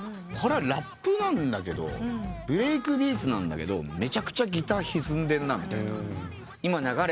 これはラップなんだけどブレイクビーツなんだけどめちゃくちゃギターひずんでんなみたいな。